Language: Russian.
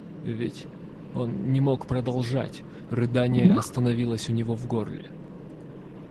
Ведь...— он не мог продолжать, рыдание остановилось у него в горле.